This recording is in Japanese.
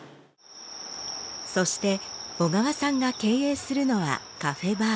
そして小川さんが経営するのはカフェバー。